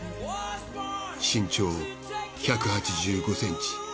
身長１８５センチ。